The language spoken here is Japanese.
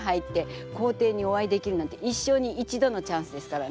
皇帝にお会いできるなんて一生に一度のチャンスですからね。